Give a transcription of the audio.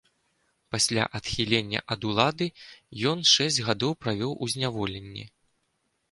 Пасля адхілення ад улады ён шэсць гадоў правёў у зняволенні.